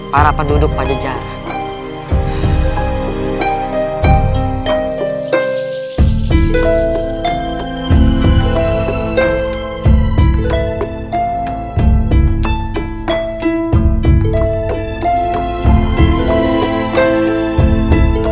para penduduk pajajaran